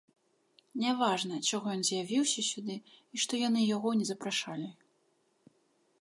Няважна, чаго ён з'явіўся сюды і што яны яго не запрашалі.